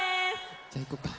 じゃあいこうか。